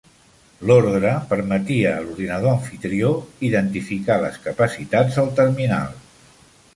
L'ordre permetia a l'ordinador amfitrió identificar les capacitats del terminal.